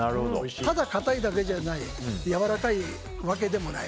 ただ固いだけじゃないやわらかいわけでもない。